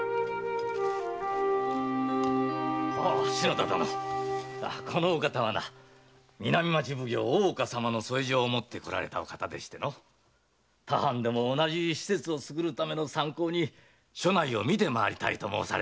篠田殿このお方は南町奉行の大岡様の添え状を持ってこられたお方で他藩でも同じ施設を造るための参考に所内を見て回りたいと申されておるのじゃ。